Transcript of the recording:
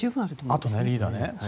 あとリーダー